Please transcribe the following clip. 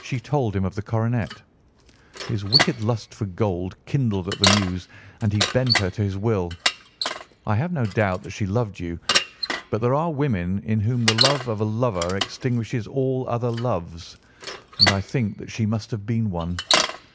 She told him of the coronet. His wicked lust for gold kindled at the news, and he bent her to his will. I have no doubt that she loved you, but there are women in whom the love of a lover extinguishes all other loves, and I think that she must have been one.